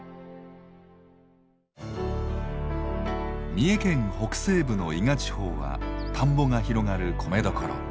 三重県北西部の伊賀地方は田んぼが広がる米どころ。